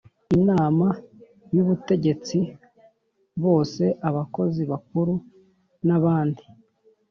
Inama y Ubutegetsi bose abakozi bakuru n abandi